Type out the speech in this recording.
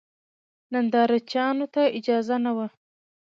نندارچیانو ته اجازه نه وه.